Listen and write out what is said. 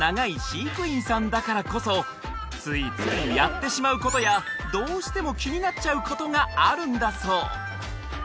飼育員さんだからこそついついやってしまうことやどうしても気になっちゃうことがあるんだそう